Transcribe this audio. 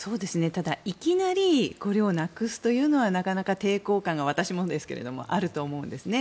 ただ、いきなりこれをなくすというのはなかなか抵抗感が私もですがあると思うんですね。